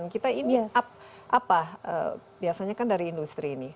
kita ini apa biasanya kan dari industri ini